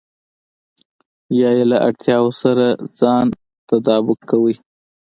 يا يې له اړتياوو سره ځان تطابق کوئ.